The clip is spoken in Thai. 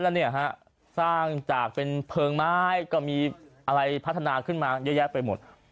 แล้วเนี่ยฮะสร้างจากเป็นเพลิงไม้ก็มีอะไรพัฒนาขึ้นมาเยอะแยะไปหมด